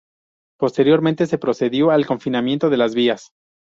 Posteriormente se procedió al confinamiento de las vías.